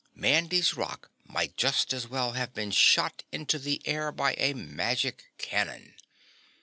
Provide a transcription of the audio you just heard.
Mandy's rock might just as well have been shot into the air by a magic cannon.